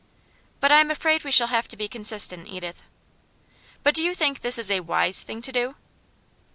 'I'm afraid we shall have to be consistent, Edith.' 'But do you think this is a WISE thing to do?